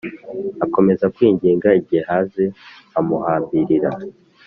Akomeza kwinginga i Gehazi amuhambirira